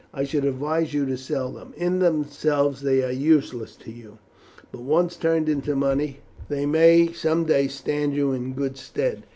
"I should advise you to sell them. In themselves they are useless to you. But once turned into money they may some day stand you in good stead.